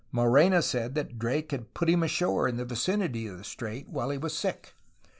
Morena said that Drake put him ashore in the vicinity of the strait, while he was sick.